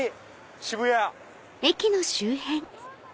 渋谷。